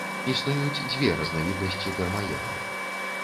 Існуюць дзве разнавіднасці дармаедаў.